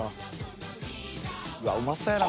うわっうまそうやな